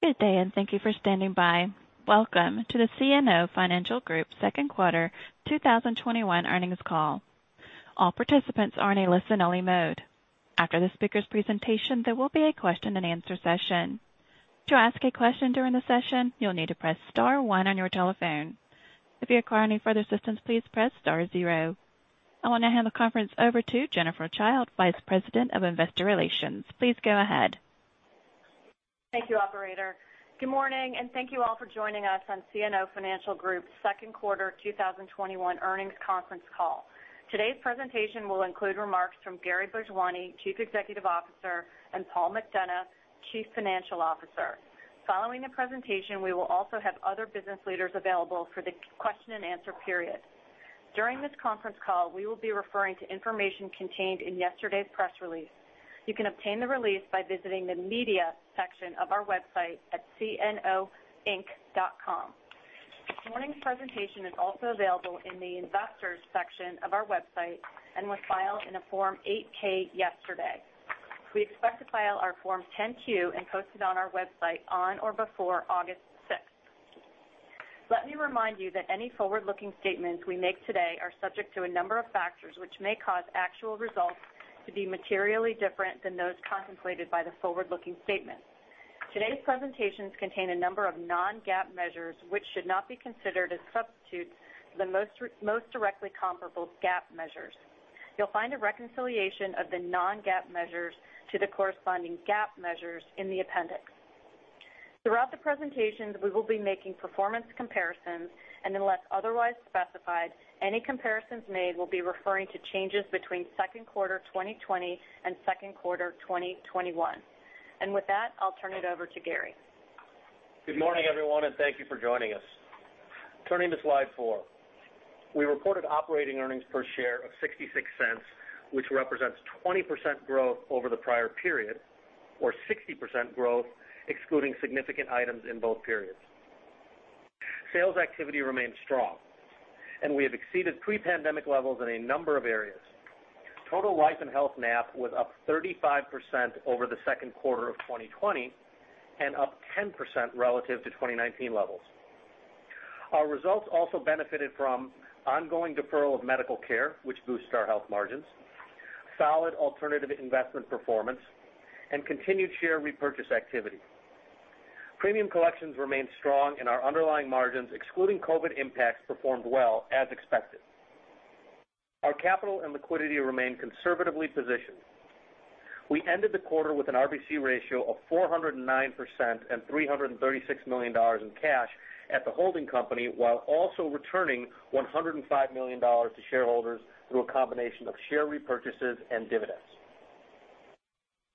Good day, and thank you for standing by. Welcome to the CNO Financial Group second quarter 2021 earnings call. All participants are in a listen-only mode. After the speaker's presentation, there will be a question and answer session. To ask a question during the session, you'll need to press star one on your telephone. If you require any further assistance, please press star zero. I want to hand the conference over to Jennifer Childe, Vice President of Investor Relations. Please go ahead. Thank you, operator. Good morning, and thank you all for joining us on CNO Financial Group's second quarter 2021 earnings conference call. Today's presentation will include remarks from Gary Bhojwani, Chief Executive Officer, and Paul McDonough, Chief Financial Officer. Following the presentation, we will also have other business leaders available for the question and answer period. During this conference call, we will be referring to information contained in yesterday's press release. You can obtain the release by visiting the media section of our website at cnoinc.com. This morning's presentation is also available in the investors section of our website and was filed in a Form 8-K yesterday. We expect to file our Form 10-Q and post it on our website on or before August 6th. Let me remind you that any forward-looking statements we make today are subject to a number of factors which may cause actual results to be materially different than those contemplated by the forward-looking statements. Today's presentations contain a number of non-GAAP measures which should not be considered as substitutes for the most directly comparable GAAP measures. You'll find a reconciliation of the non-GAAP measures to the corresponding GAAP measures in the appendix. Throughout the presentations, we will be making performance comparisons, unless otherwise specified, any comparisons made will be referring to changes between second quarter 2020 and second quarter 2021. With that, I'll turn it over to Gary. Good morning, everyone, and thank you for joining us. Turning to slide four. We reported operating earnings per share of $0.66, which represents 20% growth over the prior period or 60% growth excluding significant items in both periods. Sales activity remains strong, and we have exceeded pre-pandemic levels in a number of areas. Total life and health NAP was up 35% over the second quarter of 2020 and up 10% relative to 2019 levels. Our results also benefited from ongoing deferral of medical care, which boosts our health margins, solid alternative investment performance, and continued share repurchase activity. Premium collections remained strong and our underlying margins, excluding COVID impacts, performed well as expected. Our capital and liquidity remain conservatively positioned. We ended the quarter with an RBC ratio of 409% and $336 million in cash at the holding company, while also returning $105 million to shareholders through a combination of share repurchases and dividends.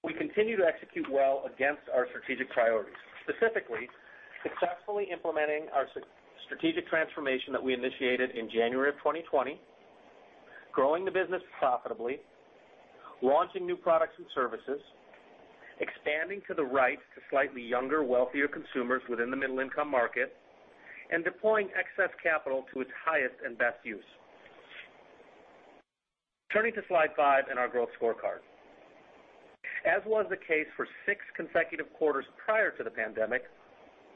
We continue to execute well against our strategic priorities, specifically successfully implementing our strategic transformation that we initiated in January of 2020, growing the business profitably, launching new products and services, expanding to the right to slightly younger, wealthier consumers within the middle-income market, and deploying excess capital to its highest and best use. Turning to slide five and our growth scorecard. As was the case for six consecutive quarters prior to the pandemic,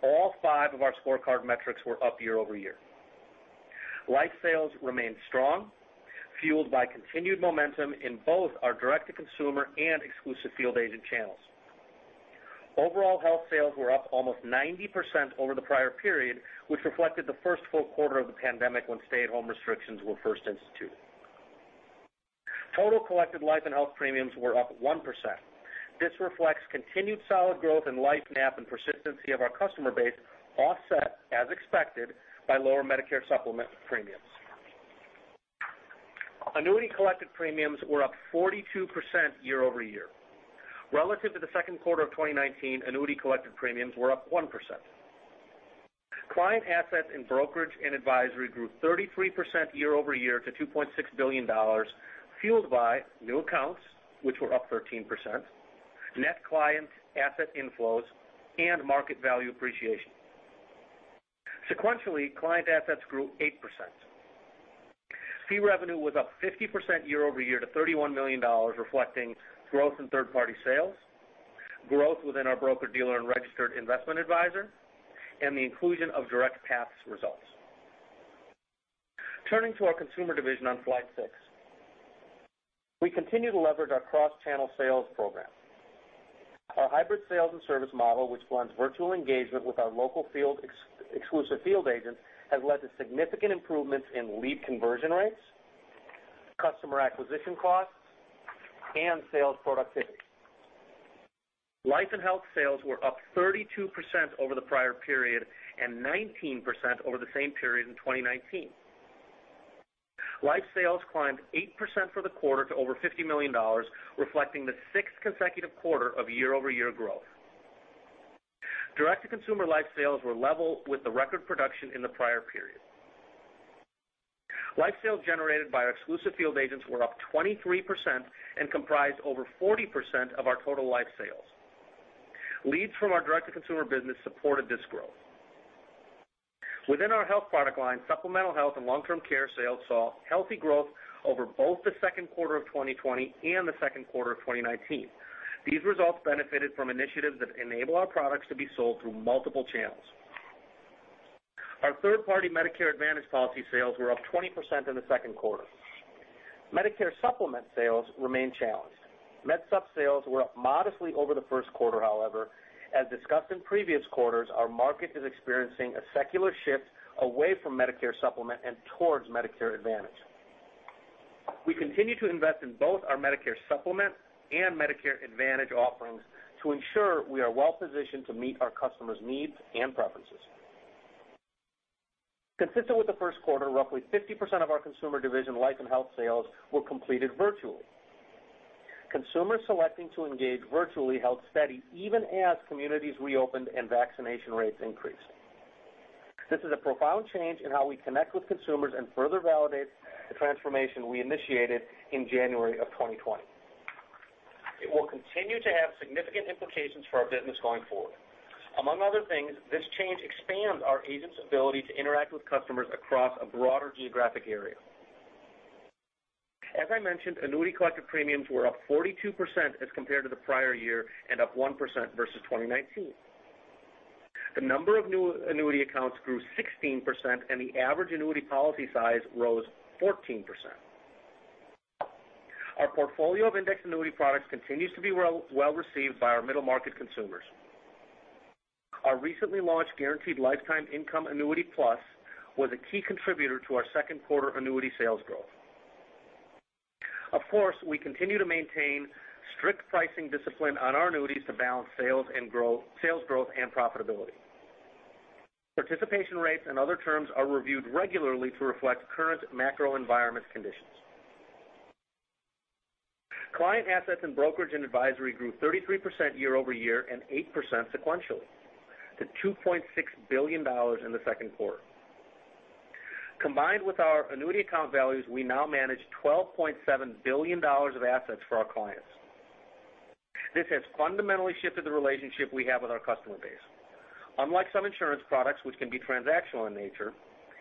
all five of our scorecard metrics were up year over year. Life sales remained strong, fueled by continued momentum in both our direct-to-consumer and exclusive field agent channels. Overall health sales were up almost 90% over the prior period, which reflected the first full quarter of the pandemic when stay-at-home restrictions were first instituted. Total collected life and health premiums were up 1%. This reflects continued solid growth in life NAP and persistency of our customer base, offset, as expected, by lower Medicare Supplement premiums. Annuity collected premiums were up 42% year over year. Relative to the second quarter of 2019, annuity collected premiums were up 1%. Client assets in brokerage and advisory grew 33% year over year to $2.6 billion, fueled by new accounts, which were up 13%, net client asset inflows, and market value appreciation. Sequentially, client assets grew 8%. Fee revenue was up 50% year over year to $31 million, reflecting growth in third-party sales, growth within our broker-dealer and registered investment advisor, and the inclusion of DirectPath's results. Turning to our Consumer Division on slide six. We continue to leverage our cross-channel sales program. Our hybrid sales and service model, which blends virtual engagement with our local exclusive field agents, has led to significant improvements in lead conversion rates, customer acquisition costs, and sales productivity. Life and health sales were up 32% over the prior period and 19% over the same period in 2019. Life sales climbed 8% for the quarter to over $50 million, reflecting the sixth consecutive quarter of year over year growth. Direct-to-consumer life sales were level with the record production in the prior period. Life sales generated by our exclusive field agents were up 23% and comprised over 40% of our total life sales. Leads from our direct-to-consumer business supported this growth. Within our health product line, supplemental health and long-term care sales saw healthy growth over both the second quarter of 2020 and the second quarter of 2019. These results benefited from initiatives that enable our products to be sold through multiple channels. Our third-party Medicare Advantage policy sales were up 20% in the second quarter. Medicare Supplement sales remain challenged. Med Supp sales were up modestly over the first quarter, however, as discussed in previous quarters, our market is experiencing a secular shift away from Medicare Supplement and towards Medicare Advantage. We continue to invest in both our Medicare Supplement and Medicare Advantage offerings to ensure we are well-positioned to meet our customers' needs and preferences. Consistent with the first quarter, roughly 50% of our Consumer Division life and health sales were completed virtually. Consumers selecting to engage virtually held steady even as communities reopened and vaccination rates increased. This is a profound change in how we connect with consumers and further validates the transformation we initiated in January of 2020. It will continue to have significant implications for our business going forward. Among other things, this change expands our agents' ability to interact with customers across a broader geographic area. As I mentioned, annuity collected premiums were up 42% as compared to the prior year and up 1% versus 2019. The number of new annuity accounts grew 16%, and the average annuity policy size rose 14%. Our portfolio of indexed annuity products continues to be well received by our middle-market consumers. Our recently launched Guaranteed Lifetime Income Annuity Plus was a key contributor to our second quarter annuity sales growth. Of course, we continue to maintain strict pricing discipline on our annuities to balance sales growth and profitability. Participation rates and other terms are reviewed regularly to reflect current macroenvironment conditions. Client assets in Brokerage and Advisory grew 33% year-over-year and 8% sequentially to $2.6 billion in the second quarter. Combined with our annuity account values, we now manage $12.7 billion of assets for our clients. This has fundamentally shifted the relationship we have with our customer base. Unlike some insurance products, which can be transactional in nature,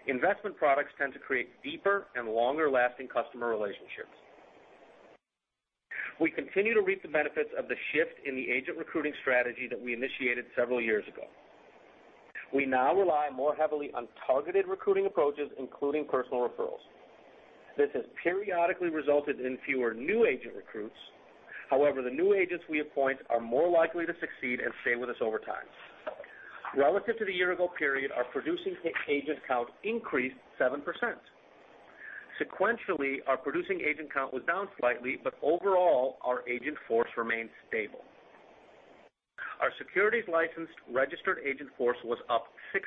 investment products tend to create deeper and longer-lasting customer relationships. We continue to reap the benefits of the shift in the agent recruiting strategy that we initiated several years ago. We now rely more heavily on targeted recruiting approaches, including personal referrals. This has periodically resulted in fewer new agent recruits. However, the new agents we appoint are more likely to succeed and stay with us over time. Relative to the year-ago period, our producing agent count increased 7%. Sequentially, our producing agent count was down slightly, but overall, our agent force remains stable. Our securities-licensed registered agent force was up 6%.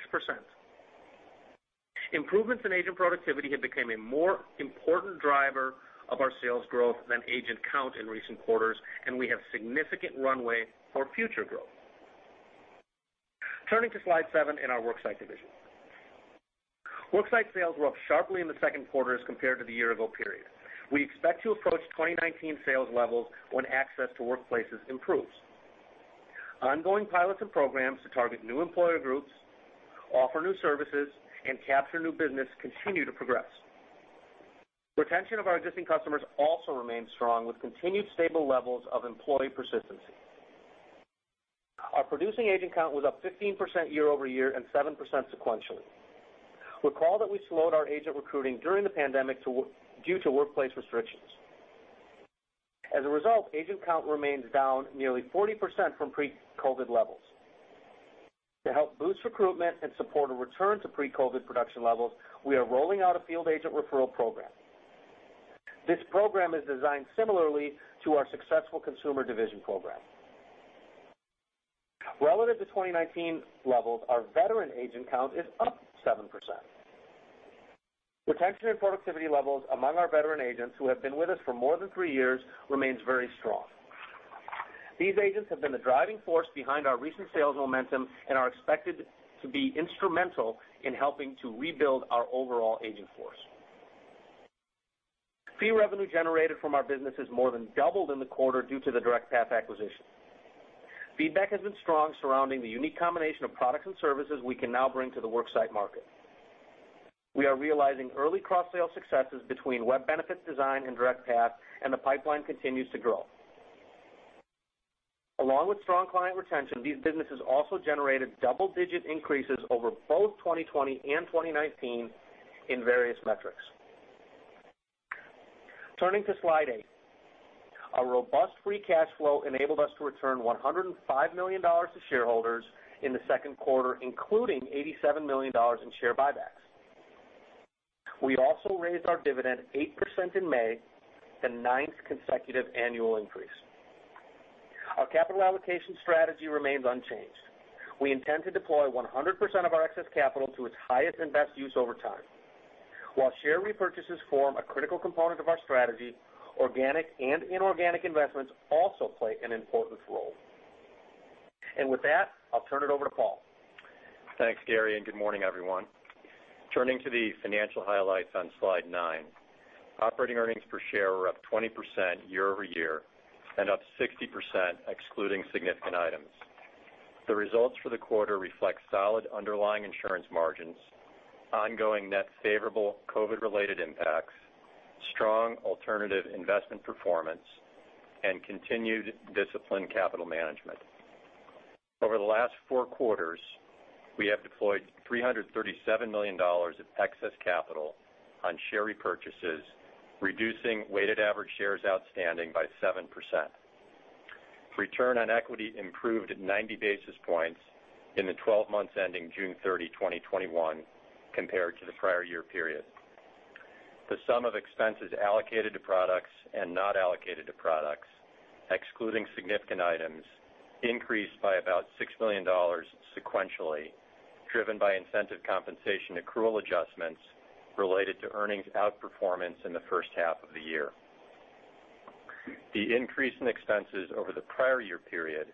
Improvements in agent productivity have become a more important driver of our sales growth than agent count in recent quarters, and we have significant runway for future growth. Turning to slide seven in our Worksite Division. Worksite sales were up sharply in the second quarter as compared to the year-ago period. We expect to approach 2019 sales levels when access to workplaces improves. Ongoing pilots and programs to target new employer groups, offer new services, and capture new business continue to progress. Retention of our existing customers also remains strong, with continued stable levels of employee persistency. Our producing agent count was up 15% year-over-year and 7% sequentially. Recall that we slowed our agent recruiting during the pandemic due to workplace restrictions. As a result, agent count remains down nearly 40% from pre-COVID levels. To help boost recruitment and support a return to pre-COVID production levels, we are rolling out a field agent referral program. This program is designed similarly to our successful Consumer Division program. Relative to 2019 levels, our veteran agent count is up 7%. Retention and productivity levels among our veteran agents who have been with us for more than three years remains very strong. These agents have been the driving force behind our recent sales momentum and are expected to be instrumental in helping to rebuild our overall agent force. Fee revenue generated from our businesses more than doubled in the quarter due to the DirectPath acquisition. Feedback has been strong surrounding the unique combination of products and services we can now bring to the Worksite market. We are realizing early cross-sale successes between Web Benefits Design and DirectPath, and the pipeline continues to grow. Along with strong client retention, these businesses also generated double-digit increases over both 2020 and 2019 in various metrics. Turning to slide eight. Our robust free cash flow enabled us to return $105 million to shareholders in the second quarter, including $87 million in share buybacks. We also raised our dividend 8% in May, the ninth consecutive annual increase. Our capital allocation strategy remains unchanged. We intend to deploy 100% of our excess capital to its highest and best use over time. While share repurchases form a critical component of our strategy, organic and inorganic investments also play an important role. With that, I'll turn it over to Paul. Thanks, Gary, and good morning, everyone. Turning to the financial highlights on slide nine. Operating earnings per share were up 20% year-over-year and up 60% excluding significant items. The results for the quarter reflect solid underlying insurance margins, ongoing net favorable COVID-related impacts, strong alternative investment performance, and continued disciplined capital management. Over the last four quarters, we have deployed $337 million of excess capital on share repurchases, reducing weighted average shares outstanding by 7%. Return on equity improved 90 basis points in the 12 months ending June 30, 2021, compared to the prior year period. The sum of expenses allocated to products and not allocated to products, excluding significant items, increased by about $6 million sequentially, driven by incentive compensation accrual adjustments related to earnings outperformance in the first half of the year. The increase in expenses over the prior year period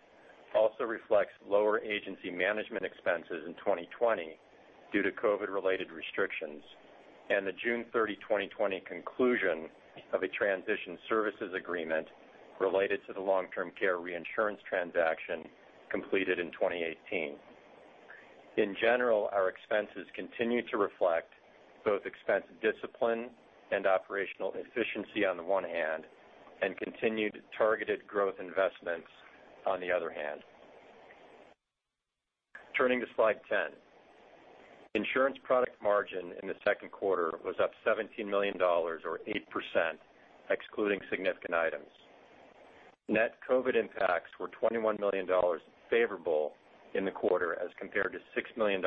also reflects lower agency management expenses in 2020 due to COVID-related restrictions and the June 30, 2020, conclusion of a transition services agreement related to the long-term care reinsurance transaction completed in 2018. In general, our expenses continue to reflect both expense discipline and operational efficiency on the one hand and continued targeted growth investments on the other hand. Turning to slide 10. Insurance product margin in the second quarter was up $17 million or 8%, excluding significant items. Net COVID impacts were $21 million favorable in the quarter as compared to $6 million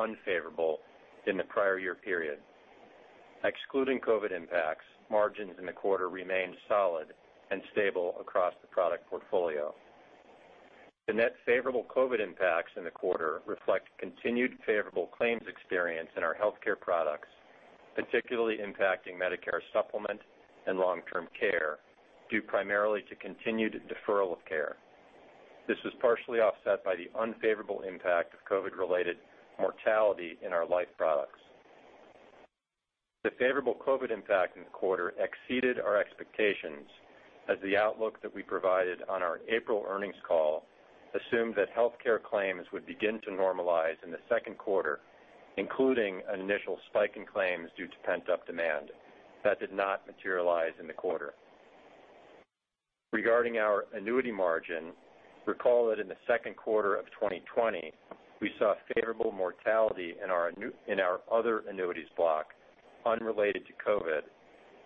unfavorable in the prior year period. Excluding COVID impacts, margins in the quarter remained solid and stable across the product portfolio. The net favorable COVID impacts in the quarter reflect continued favorable claims experience in our healthcare products, particularly impacting Medicare Supplement and long-term care, due primarily to continued deferral of care. This was partially offset by the unfavorable impact of COVID-related mortality in our life products. The favorable COVID impact in the quarter exceeded our expectations as the outlook that we provided on our April earnings call assumed that healthcare claims would begin to normalize in the second quarter, including an initial spike in claims due to pent-up demand. That did not materialize in the quarter. Regarding our annuity margin, recall that in the second quarter of 2020, we saw favorable mortality in our other annuities block unrelated to COVID,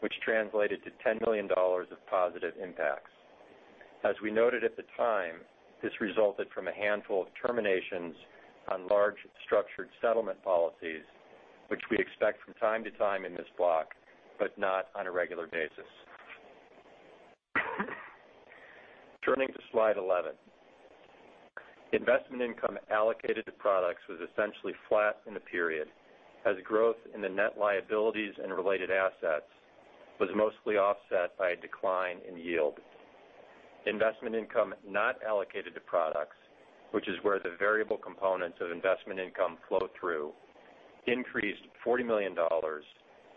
which translated to $10 million of positive impacts. As we noted at the time, this resulted from a handful of terminations on large structured settlement policies, which we expect from time to time in this block, but not on a regular basis. Turning to slide 11. Investment income allocated to products was essentially flat in the period as growth in the net liabilities and related assets was mostly offset by a decline in yield. Investment income not allocated to products, which is where the variable components of investment income flow through, increased $40 million,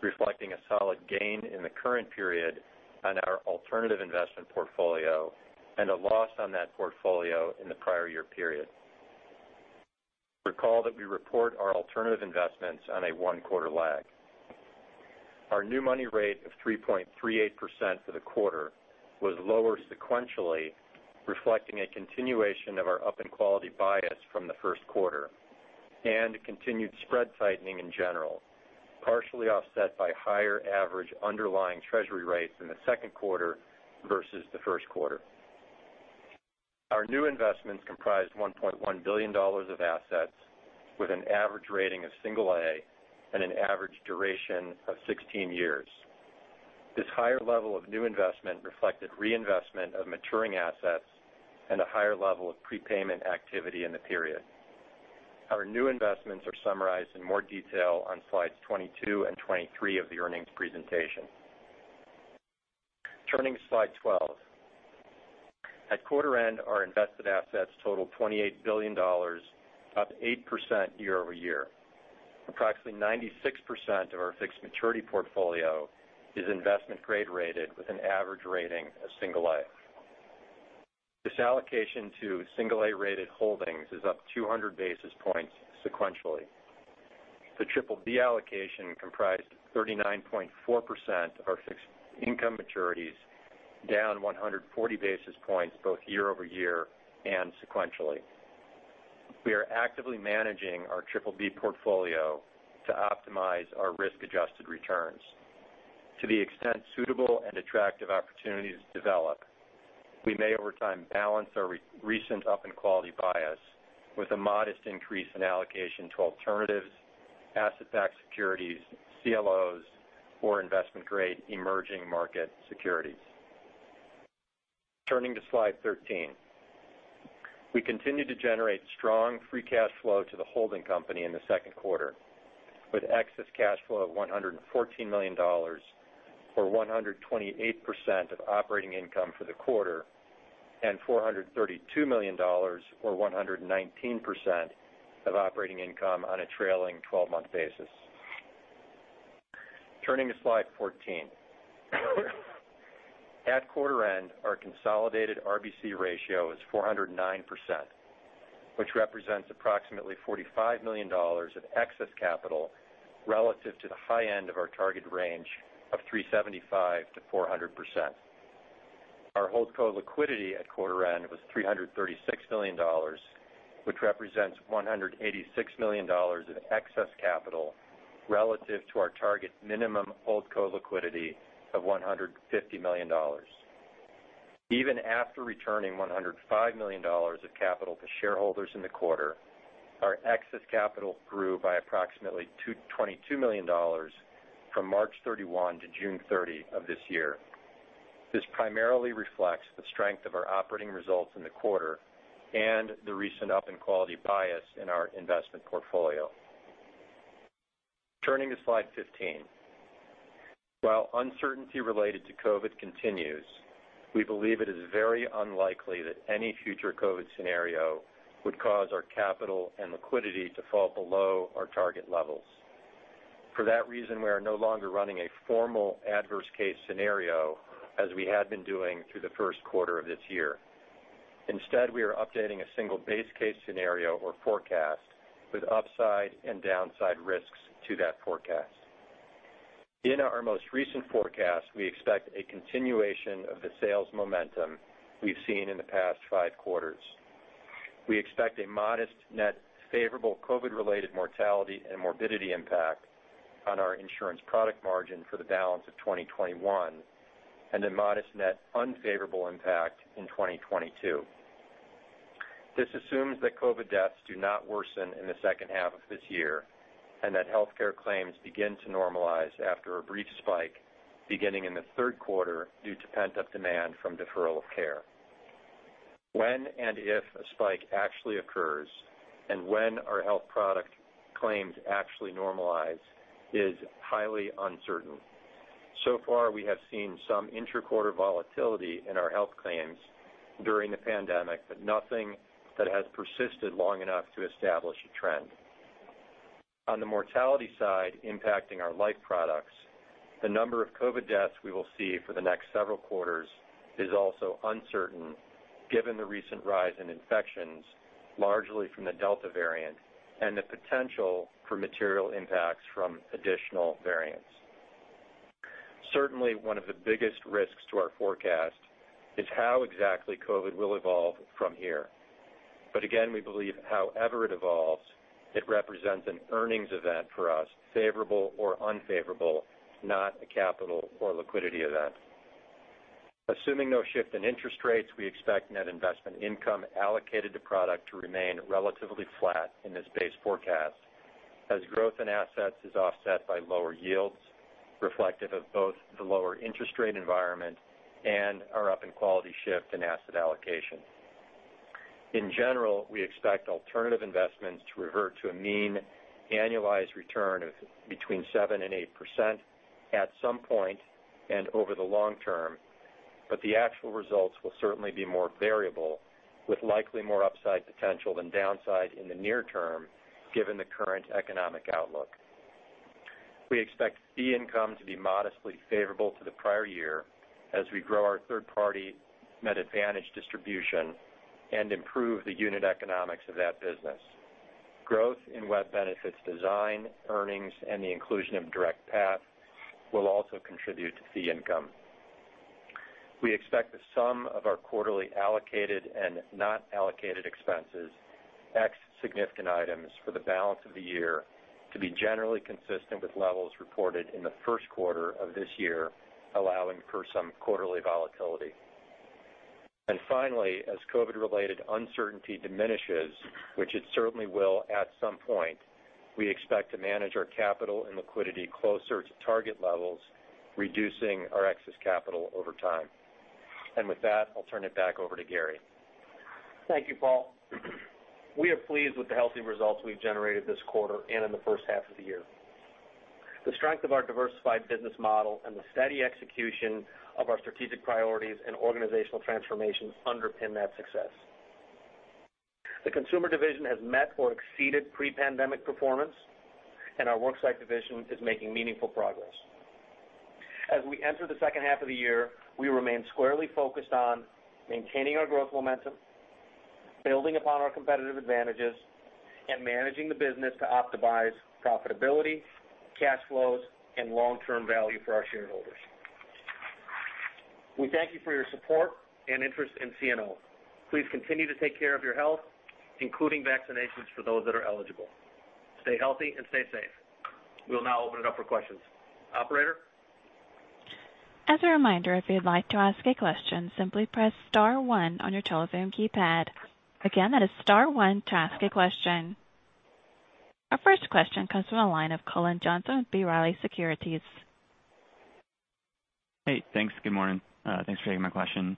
reflecting a solid gain in the current period on our alternative investment portfolio and a loss on that portfolio in the prior year period. Recall that we report our alternative investments on a one-quarter lag. Our new money rate of 3.38% for the quarter was lower sequentially, reflecting a continuation of our up and quality bias from the first quarter, continued spread tightening in general, partially offset by higher average underlying Treasury rates in the second quarter versus the first quarter. Our new investments comprised $1.1 billion of assets with an average rating of single A and an average duration of 16 years. This higher level of new investment reflected reinvestment of maturing assets and a higher level of prepayment activity in the period. Our new investments are summarized in more detail on slides 22 and 23 of the earnings presentation. Turning to slide 12. At quarter end, our invested assets totaled $28 billion, up 8% year-over-year. Approximately 96% of our fixed maturity portfolio is investment-grade rated with an average rating of single A. This allocation to single A-rated holdings is up 200 basis points sequentially. The triple B allocation comprised 39.4% of our fixed income maturities, down 140 basis points both year-over-year and sequentially. We are actively managing our triple B portfolio to optimize our risk-adjusted returns. To the extent suitable and attractive opportunities develop, we may over time balance our recent up in quality bias with a modest increase in allocation to alternatives, asset-backed securities, CLOs, or investment-grade emerging market securities. Turning to slide 13. We continued to generate strong free cash flow to the holding company in the second quarter, with excess cash flow of $114 million, or 128% of operating income for the quarter $432 million or 119% of operating income on a trailing 12-month basis. Turning to slide 14. At quarter end, our consolidated RBC ratio is 409%, which represents approximately $45 million of excess capital relative to the high end of our target range of 375%-400%. Our holdco liquidity at quarter end was $336 million, which represents $186 million in excess capital relative to our target minimum holdco liquidity of $150 million. Even after returning $105 million of capital to shareholders in the quarter, our excess capital grew by approximately $222 million from March 31 to June 30 of this year. This primarily reflects the strength of our operating results in the quarter and the recent up in quality bias in our investment portfolio. Turning to slide 15. While uncertainty related to COVID continues, we believe it is very unlikely that any future COVID scenario would cause our capital and liquidity to fall below our target levels. For that reason, we are no longer running a formal adverse case scenario as we had been doing through the first quarter of this year. Instead, we are updating a single base case scenario or forecast with upside and downside risks to that forecast. In our most recent forecast, we expect a continuation of the sales momentum we've seen in the past five quarters. We expect a modest net favorable COVID-related mortality and morbidity impact on our insurance product margin for the balance of 2021, and a modest net unfavorable impact in 2022. This assumes that COVID deaths do not worsen in the second half of this year, and that healthcare claims begin to normalize after a brief spike beginning in the third quarter due to pent-up demand from deferral of care. When and if a spike actually occurs and when our health product claims actually normalize is highly uncertain. So far, we have seen some intra-quarter volatility in our health claims during the pandemic, but nothing that has persisted long enough to establish a trend. On the mortality side impacting our life products, the number of COVID deaths we will see for the next several quarters is also uncertain given the recent rise in infections, largely from the Delta variant, and the potential for material impacts from additional variants. Certainly, one of the biggest risks to our forecast is how exactly COVID will evolve from here. Again, we believe however it evolves, it represents an earnings event for us, favorable or unfavorable, not a capital or liquidity event. Assuming no shift in interest rates, we expect net investment income allocated to product to remain relatively flat in this base forecast as growth in assets is offset by lower yields, reflective of both the lower interest rate environment and our up in quality shift in asset allocation. In general, we expect alternative investments to revert to a mean annualized return of between 7% and 8% at some point and over the long term, but the actual results will certainly be more variable, with likely more upside potential than downside in the near term, given the current economic outlook. We expect fee income to be modestly favorable to the prior year as we grow our third-party MedAdvantage distribution and improve the unit economics of that business. Growth in Web Benefits Design earnings, and the inclusion of DirectPath will also contribute to fee income. We expect the sum of our quarterly allocated and not allocated expenses, x significant items for the balance of the year to be generally consistent with levels reported in the first quarter of this year, allowing for some quarterly volatility. Finally, as COVID-related uncertainty diminishes, which it certainly will at some point, we expect to manage our capital and liquidity closer to target levels, reducing our excess capital over time. With that, I'll turn it back over to Gary. Thank you, Paul. We are pleased with the healthy results we've generated this quarter and in the first half of the year. The strength of our diversified business model and the steady execution of our strategic priorities and organizational transformation underpin that success. The Consumer Division has met or exceeded pre-pandemic performance, and our Worksite Division is making meaningful progress. As we enter the second half of the year, we remain squarely focused on maintaining our growth momentum, building upon our competitive advantages, and managing the business to optimize profitability, cash flows, and long-term value for our shareholders. We thank you for your support and interest in CNO. Please continue to take care of your health, including vaccinations for those that are eligible. Stay healthy and stay safe. We'll now open it up for questions. Operator? As a reminder, if you'd like to ask a question, simply press star one on your telephone keypad. Again, that is star one to ask a question. Our first question comes from the line of Cullen Johnson with B. Riley Securities. Hey, thanks. Good morning. Thanks for taking my question.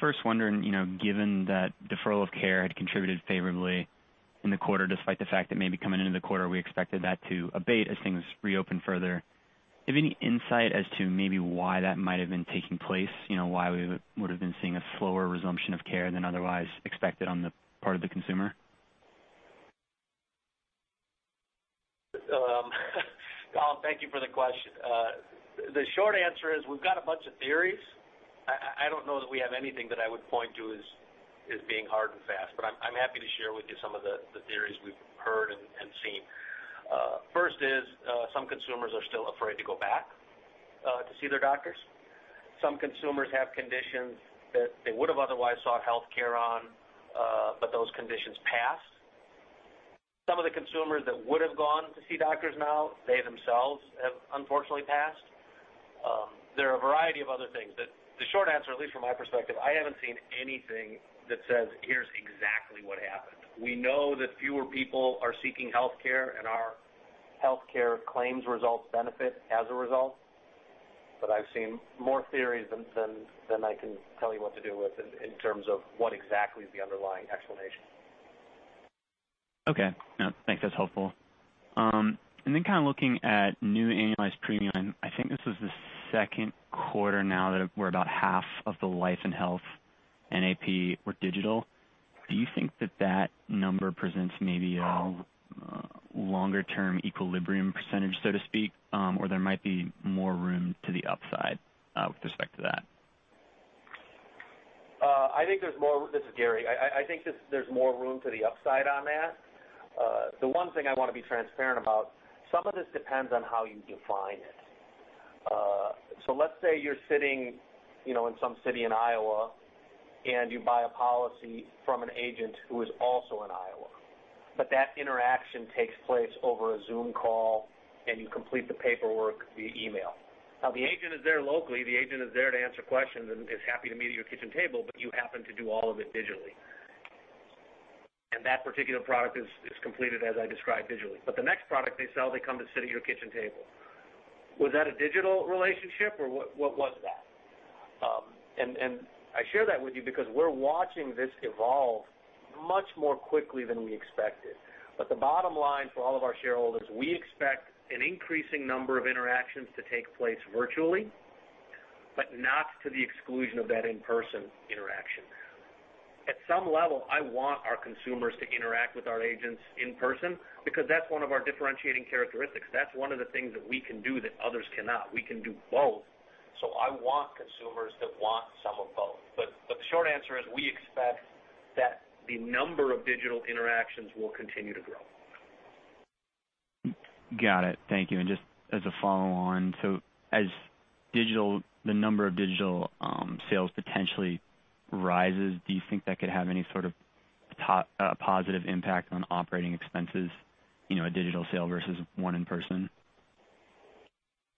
First wondering, given that deferral of care had contributed favorably in the quarter, despite the fact that maybe coming into the quarter, we expected that to abate as things reopen further. Do you have any insight as to maybe why that might have been taking place? Why we would've been seeing a slower resumption of care than otherwise expected on the part of the consumer? Cullen, thank you for the question. The short answer is we've got a bunch of theories. I don't know that we have anything that I would point to as being hard and fast, but I'm happy to share with you some of the theories we've heard and seen. First is, some consumers are still afraid to go back to see their doctors. Some consumers have conditions that they would've otherwise sought healthcare on, but those conditions passed. Some of the consumers that would've gone to see doctors now, they themselves have unfortunately passed. There are a variety of other things, but the short answer, at least from my perspective, I haven't seen anything that says, "Here's exactly what happened." We know that fewer people are seeking healthcare, and our healthcare claims results benefit as a result. I've seen more theories than I can tell you what to do with in terms of what exactly is the underlying explanation. Okay. No, thanks. That's helpful. Kind of looking at new annualized premium, I think this was the second quarter now that we're about half of the life and health NAP were digital. Do you think that that number presents maybe a longer-term equilibrium percentage, so to speak? There might be more room to the upside, with respect to that? This is Gary. I think there's more room to the upside on that. The one thing I want to be transparent about, some of this depends on how you define it. Let's say you're sitting in some city in Iowa, and you buy a policy from an agent who is also in Iowa, but that interaction takes place over a Zoom call, and you complete the paperwork via email. Now the agent is there locally. The agent is there to answer questions and is happy to meet at your kitchen table, but you happen to do all of it digitally. That particular product is completed as I described digitally, but the next product they sell, they come to sit at your kitchen table. Was that a digital relationship or what was that? I share that with you because we're watching this evolve much more quickly than we expected. The bottom line for all of our shareholders, we expect an increasing number of interactions to take place virtually, but not to the exclusion of that in-person interaction. At some level, I want our consumers to interact with our agents in person because that's one of our differentiating characteristics. That's one of the things that we can do that others cannot. We can do both. I want consumers that want some of both, but the short answer is we expect that the number of digital interactions will continue to grow. Got it. Thank you. Just as a follow on, as the number of digital sales potentially rises, do you think that could have any sort of positive impact on operating expenses, a digital sale versus one in person?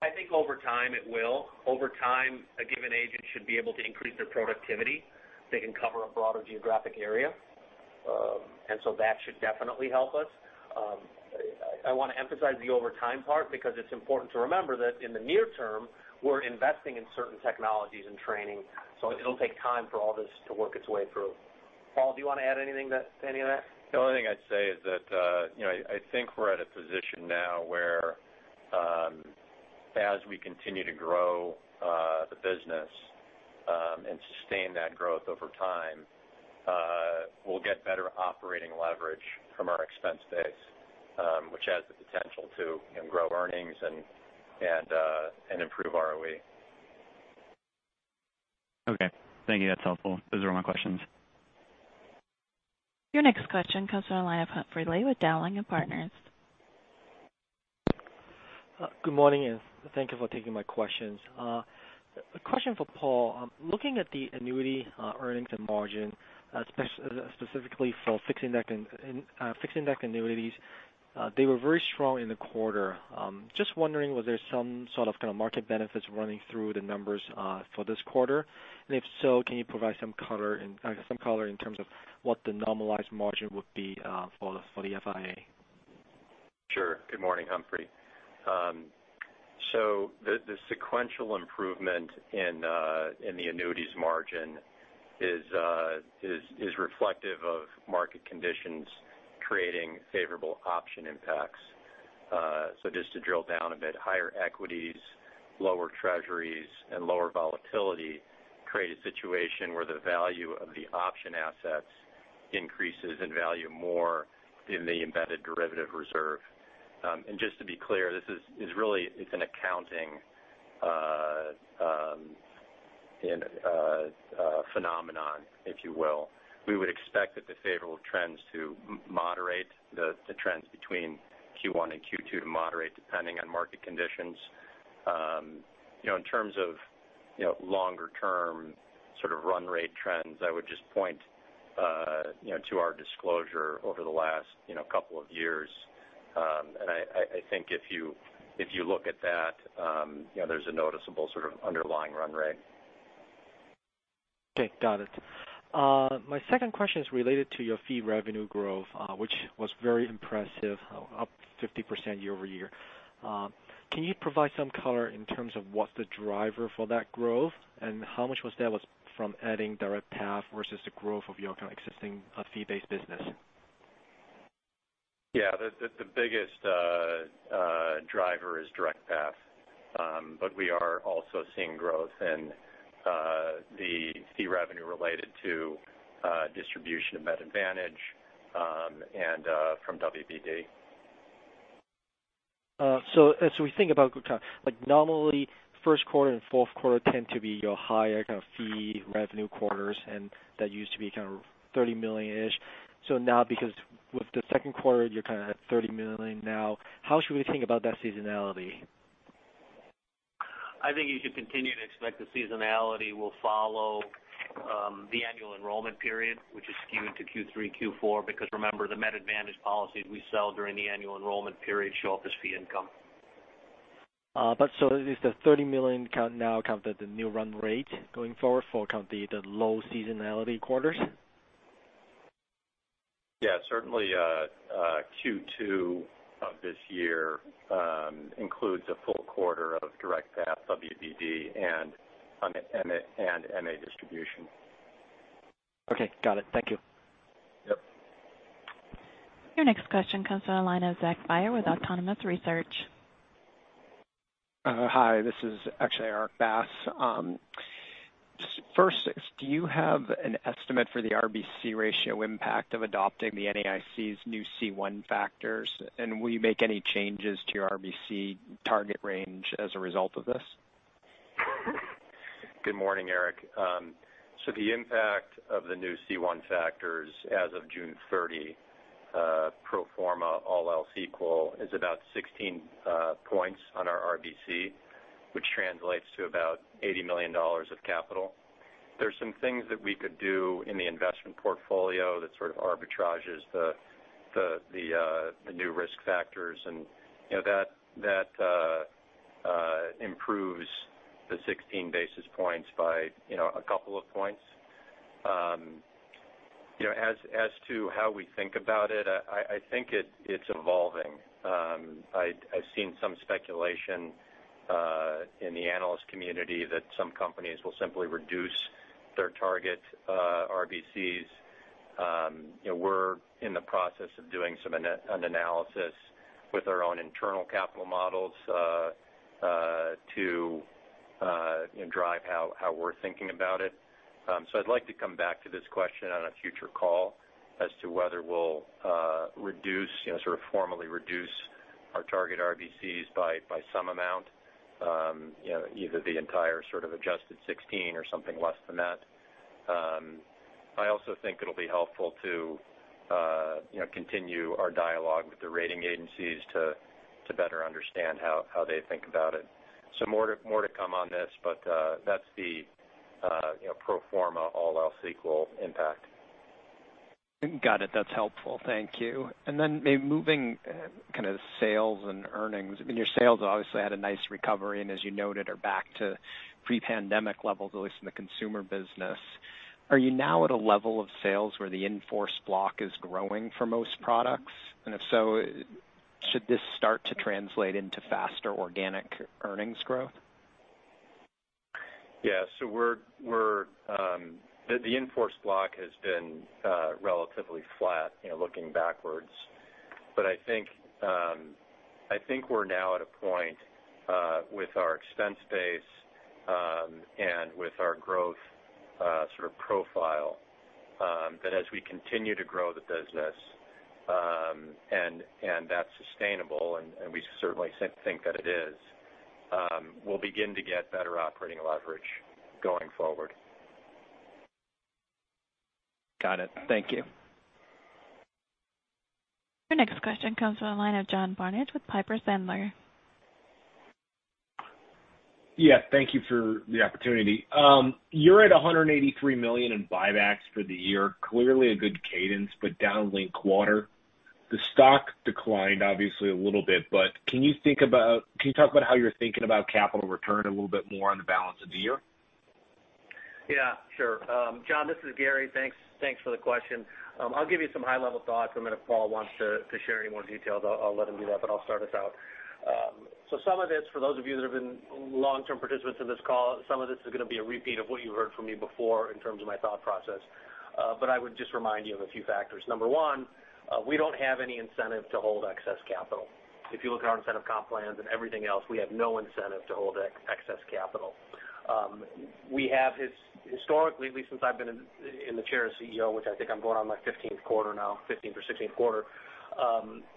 I think over time it will. Over time, a given agent should be able to increase their productivity. They can cover a broader geographic area. That should definitely help us. I want to emphasize the over time part because it's important to remember that in the near term, we're investing in certain technologies and training, so it'll take time for all this to work its way through. Paul, do you want to add anything to any of that? The only thing I'd say is that I think we're at a position now where as we continue to grow the business, and sustain that growth over time, we'll get better operating leverage from our expense base, which has the potential to grow earnings and improve ROE. Thank you. That's helpful. Those are all my questions. Your next question comes from the line of Humphrey Lee with Dowling & Partners. Good morning. Thank you for taking my questions. A question for Paul. Looking at the annuity earnings and margin, specifically for fixed index annuities, they were very strong in the quarter. Wondering, was there some sort of market benefits running through the numbers for this quarter? If so, can you provide some color in terms of what the normalized margin would be for the FIA? Good morning, Humphrey. The sequential improvement in the annuities margin is reflective of market conditions creating favorable option impacts. To drill down a bit, higher equities, lower treasuries, and lower volatility create a situation where the value of the option assets increases in value more in the embedded derivative reserve. To be clear, this is really an accounting phenomenon, if you will. We would expect that the favorable trends to moderate the trends between Q1 and Q2 to moderate depending on market conditions. In terms of longer-term sort of run rate trends, I would point to our disclosure over the last couple of years. I think if you look at that, there's a noticeable sort of underlying run rate. Okay. Got it. My second question is related to your fee revenue growth, which was very impressive, up 50% year-over-year. Can you provide some color in terms of what's the driver for that growth and how much was that from adding DirectPath versus the growth of your kind of existing fee-based business? Yeah. The biggest driver is DirectPath. We are also seeing growth in the fee revenue related to distribution of Medicare Advantage, and from WBD. As we think about, like normally first quarter and fourth quarter tend to be your higher kind of fee revenue quarters, and that used to be kind of $30 million-ish. Now because with the second quarter, you're kind of at $30 million now. How should we think about that seasonality? I think you should continue to expect the seasonality will follow the annual enrollment period, which is skewed to Q3, Q4, because remember the Medicare Advantage policies we sell during the annual enrollment period show up as fee income. Is the $30 million now kind of the new run rate going forward for kind of the low seasonality quarters? Yeah, certainly, Q2 of this year includes a full quarter of DirectPath, WBD, and MA distribution. Okay. Got it. Thank you. Yep. Your next question comes from the line of Zachary Bayer] with Autonomous Research. Hi, this is actually Erik Bass. First, do you have an estimate for the RBC ratio impact of adopting the NAIC's new C1 factors? Will you make any changes to your RBC target range as a result of this? Good morning, Erik. The impact of the new C1 factors as of June 30, pro forma all else equal, is about 16 points on our RBC, which translates to about $80 million of capital. There's some things that we could do in the investment portfolio that sort of arbitrages the new risk factors and that improves the 16 basis points by a couple of points. As to how we think about it, I think it's evolving. I've seen some speculation in the analyst community that some companies will simply reduce their target RBCs. We're in the process of doing an analysis with our own internal capital models to drive how we're thinking about it. I'd like to come back to this question on a future call as to whether we'll formally reduce our target RBCs by some amount, either the entire sort of adjusted 16 or something less than that. I also think it'll be helpful to continue our dialogue with the rating agencies to better understand how they think about it. More to come on this, but that's the pro forma all else equal impact. Got it. That's helpful. Thank you. Maybe moving kind of sales and earnings. I mean, your sales obviously had a nice recovery and as you noted, are back to pre-pandemic levels, at least in the consumer business. Are you now at a level of sales where the in-force block is growing for most products? If so, should this start to translate into faster organic earnings growth? Yeah. The in-force block has been relatively flat, looking backwards. I think we're now at a point with our expense base, and with our growth sort of profile, that as we continue to grow the business, and that's sustainable, and we certainly think that it is, we'll begin to get better operating leverage going forward. Got it. Thank you. Your next question comes from the line of John Barnidge with Piper Sandler. Yeah, thank you for the opportunity. You're at $183 million in buybacks for the year. Clearly a good cadence, down linked quarter. The stock declined obviously a little bit, can you talk about how you're thinking about capital return a little bit more on the balance of the year? Yeah, sure. John, this is Gary. Thanks for the question. I'll give you some high-level thoughts, and if Paul wants to share any more details, I'll let him do that, but I'll start us out. Some of this, for those of you that have been long-term participants in this call, some of this is going to be a repeat of what you heard from me before in terms of my thought process. I would just remind you of a few factors. Number one, we don't have any incentive to hold excess capital. If you look at our incentive comp plans and everything else, we have no incentive to hold excess capital. We have historically, at least since I've been in the chair as CEO, which I think I'm going on my 15th quarter now, 15th or 16th quarter,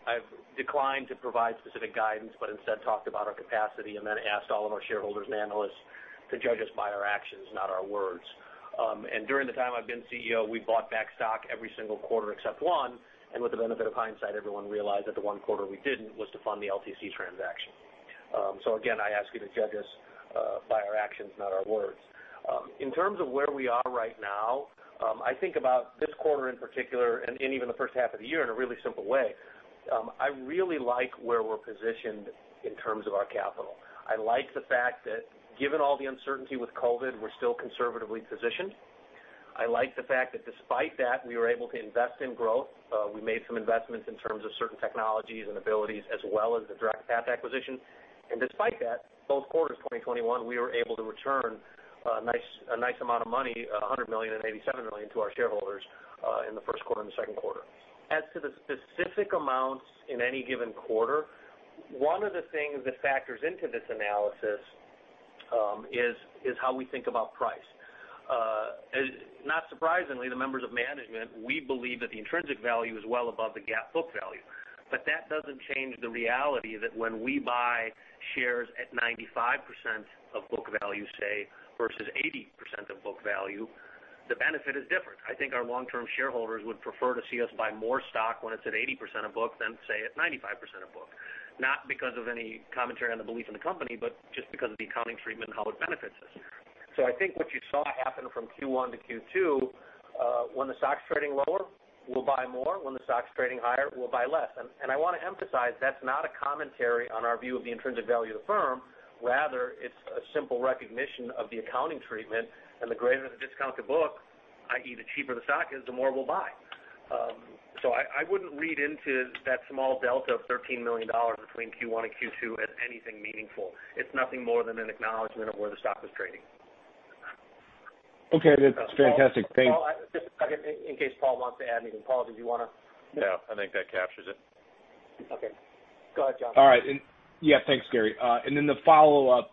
I've declined to provide specific guidance, but instead talked about our capacity and then asked all of our shareholders and analysts to judge us by our actions, not our words. During the time I've been CEO, we've bought back stock every single quarter except one, and with the benefit of hindsight, everyone realized that the one quarter we didn't was to fund the LTC transaction. Again, I ask you to judge us by our actions, not our words. In terms of where we are right now, I think about this quarter in particular, and even the first half of the year in a really simple way. I really like where we're positioned in terms of our capital. I like the fact that given all the uncertainty with COVID, we're still conservatively positioned. I like the fact that despite that, we were able to invest in growth. We made some investments in terms of certain technologies and abilities, as well as the DirectPath acquisition. Despite that, both quarters 2021, we were able to return a nice amount of money, $100 million and $87 million to our shareholders in the first quarter and the second quarter. As to the specific amounts in any given quarter, one of the things that factors into this analysis is how we think about price. Not surprisingly, the members of management, we believe that the intrinsic value is well above the GAAP book value. That doesn't change the reality that when we buy shares at 95% of book value, say, versus 80% of book value, the benefit is different. I think our long-term shareholders would prefer to see us buy more stock when it's at 80% of book than, say, at 95% of book, not because of any commentary on the belief in the company, but just because of the accounting treatment and how it benefits us. I think what you saw happen from Q1 to Q2 when the stock's trading lower, we'll buy more. When the stock's trading higher, we'll buy less. I want to emphasize, that's not a commentary on our view of the intrinsic value of the firm. Rather, it's a simple recognition of the accounting treatment, and the greater the discount to book, i.e., the cheaper the stock is, the more we'll buy. I wouldn't read into that small Delta of $13 million between Q1 and Q2 as anything meaningful. It's nothing more than an acknowledgment of where the stock was trading. Okay. That's fantastic. Thanks. Paul, just a second, in case Paul wants to add anything. Paul, did you want to? No, I think that captures it. Okay. Go ahead, John. All right. Yeah, thanks, Gary. The follow-up,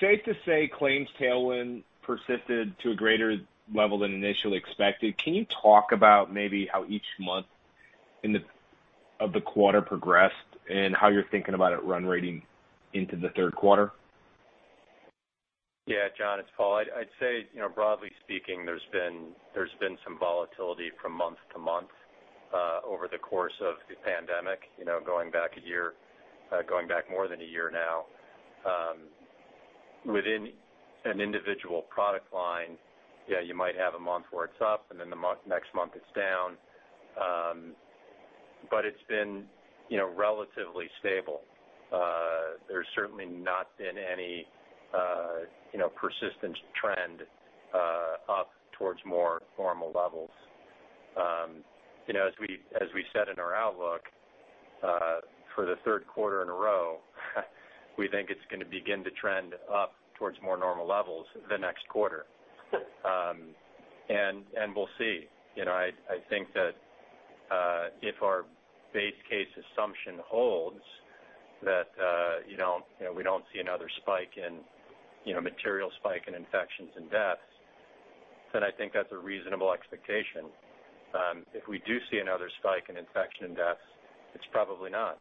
safe to say claims tailwind persisted to a greater level than initially expected. Can you talk about maybe how each month of the quarter progressed and how you're thinking about it run rating into the third quarter? Yeah, John, it's Paul. I'd say broadly speaking, there's been some volatility from month to month over the course of the pandemic, going back more than a year now. Within an individual product line, yeah, you might have a month where it's up, the next month it's down. It's been relatively stable. There's certainly not been any persistent trend up towards more formal levels. As we said in our outlook, for the third quarter in a row, we think it's going to begin to trend up towards more normal levels the next quarter. We'll see. I think that if our base case assumption holds that we don't see another material spike in infections and deaths, I think that's a reasonable expectation. If we do see another spike in infection and deaths, it's probably not.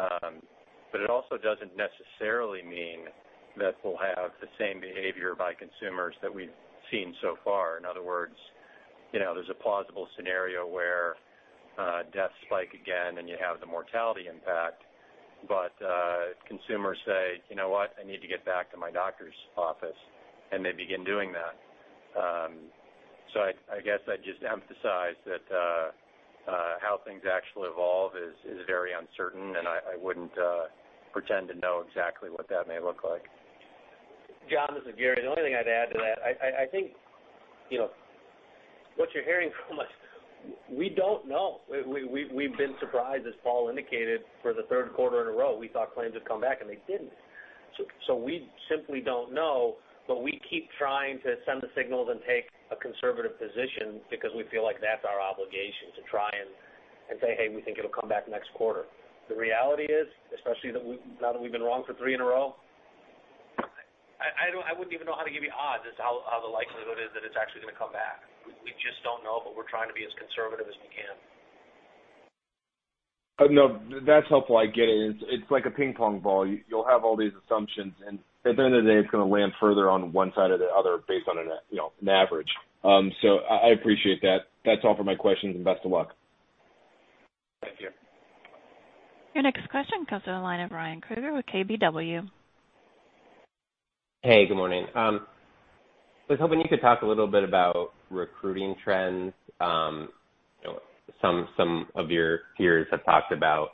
It also doesn't necessarily mean that we'll have the same behavior by consumers that we've seen so far. In other words, there's a plausible scenario where deaths spike again, and you have the mortality impact. Consumers say, "You know what? I need to get back to my doctor's office," and they begin doing that. I guess I'd just emphasize that how things actually evolve is very uncertain, and I wouldn't pretend to know exactly what that may look like. John, this is Gary. The only thing I'd add to that, I think what you're hearing from us, we don't know. We've been surprised, as Paul indicated, for the third quarter in a row. We thought claims would come back, and they didn't. We simply don't know, but we keep trying to send the signals and take a conservative position because we feel like that's our obligation, to try and say, “Hey, we think it'll come back next quarter.” The reality is, especially now that we've been wrong for three in a row, I wouldn't even know how to give you odds as how the likelihood is that it's actually going to come back. We just don't know, but we're trying to be as conservative as we can. That's helpful. I get it. It's like a ping pong ball. You'll have all these assumptions, and at the end of the day, it's going to land further on one side or the other based on an average. I appreciate that. That's all for my questions, and best of luck. Thank you. Your next question comes on the line of Ryan Krueger with KBW. Hey, good morning. I was hoping you could talk a little bit about recruiting trends. Some of your peers have talked about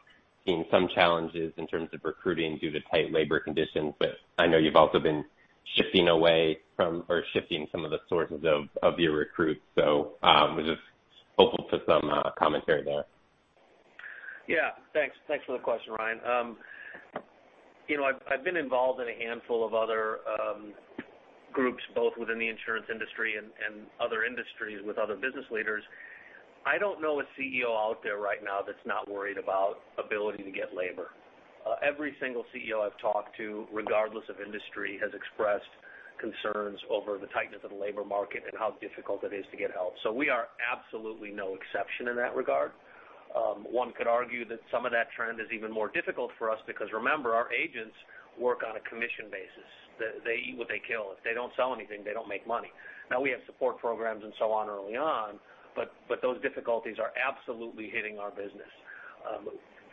seeing some challenges in terms of recruiting due to tight labor conditions, but I know you've also been shifting some of the sources of your recruits. I was just hopeful for some commentary there. Thanks for the question, Ryan. I've been involved in a handful of other groups, both within the insurance industry and other industries with other business leaders. I don't know a CEO out there right now that's not worried about ability to get labor. Every single CEO I've talked to, regardless of industry, has expressed concerns over the tightness of the labor market and how difficult it is to get help. We are absolutely no exception in that regard. One could argue that some of that trend is even more difficult for us because remember, our agents work on a commission basis. They eat what they kill. If they don't sell anything, they don't make money. Now we have support programs and so on early on, but those difficulties are absolutely hitting our business.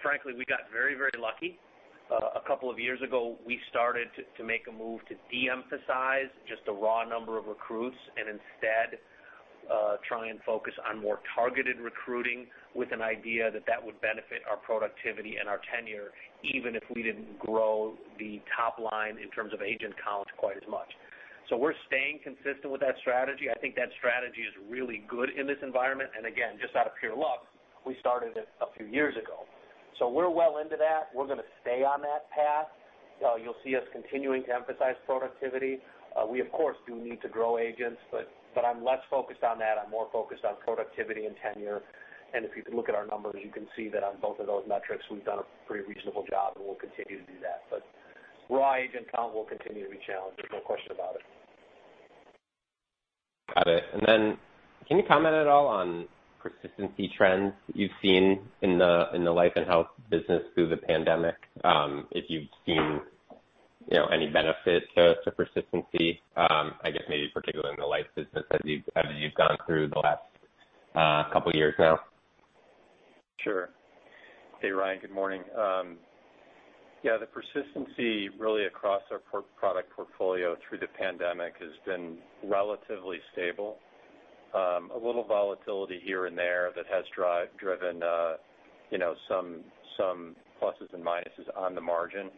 Frankly, we got very lucky. A couple of years ago, we started to make a move to de-emphasize just the raw number of recruits and instead try and focus on more targeted recruiting with an idea that that would benefit our productivity and our tenure, even if we didn't grow the top line in terms of agent count quite as much. We're staying consistent with that strategy. I think that strategy is really good in this environment. Again, just out of pure luck, we started it a few years ago. We're well into that. We're going to stay on that path. You'll see us continuing to emphasize productivity. We, of course, do need to grow agents, but I'm less focused on that. I'm more focused on productivity and tenure. If you can look at our numbers, you can see that on both of those metrics, we've done a pretty reasonable job, and we'll continue to do that. Raw agent count will continue to be challenged. There's no question about it. Got it. Can you comment at all on persistency trends you've seen in the life and health business through the pandemic? If you've seen any benefit to persistency, I guess maybe particularly in the life business as you've gone through the last couple years now. Sure. Hey, Ryan, good morning. Yeah, the persistency really across our product portfolio through the pandemic has been relatively stable. A little volatility here and there that has driven some pluses and minuses on the margin.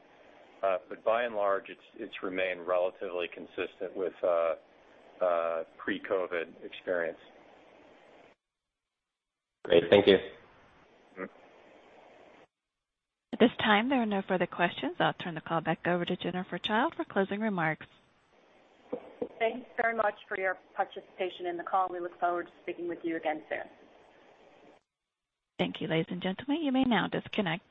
By and large, it's remained relatively consistent with pre-COVID experience. Great. Thank you. At this time, there are no further questions. I'll turn the call back over to Jennifer Childe for closing remarks. Thanks very much for your participation in the call. We look forward to speaking with you again soon. Thank you, ladies and gentlemen. You may now disconnect.